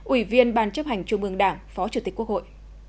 ủy viên ban chấp hành trung ương đảng phó chủ tịch quốc hội